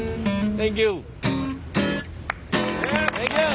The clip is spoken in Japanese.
センキュー。